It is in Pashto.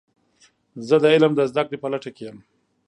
زه د علم د زده کړې په لټه کې یم.